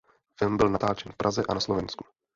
Film byl natáčen v Praze a na Slovensku.